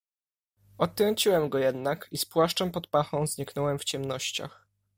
"Odtrąciłem go jednak i z płaszczem pod pachą zniknąłem w ciemnościach."